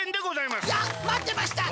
まってました！